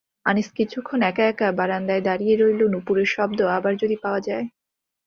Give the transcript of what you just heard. আনিস কিছুক্ষণ একা-একা বারান্দায় দাঁড়িয়ে রইল-নূপুরের শব্দ আবার যদি পাওয়া যায়।